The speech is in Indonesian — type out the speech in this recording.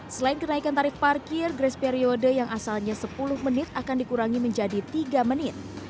selain kenaikan tarif parkir grace periode yang asalnya sepuluh menit akan dikurangi menjadi tiga menit